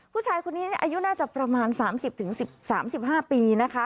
ผู้ชายคนนี้อายุน่าจะประมาณ๓๐๓๕ปีนะคะ